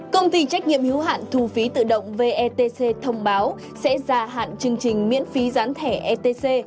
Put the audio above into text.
công ty trách nhiệm hiếu hạn thu phí tự động vetc thông báo sẽ ra hạn chương trình miễn phí gián thẻ etc